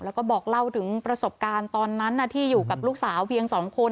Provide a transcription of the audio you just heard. แล้วก็บอกเล่าถึงประสบการณ์ตอนนั้นที่อยู่กับลูกสาวเพียง๒คน